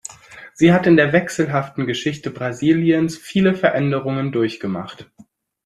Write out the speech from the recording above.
Sie hat in der wechselhaften Geschichte Brasiliens viele Veränderungen durchgemacht.